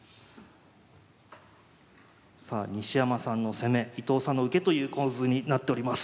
さあ西山さんの攻め伊藤さんの受けという構図になっております。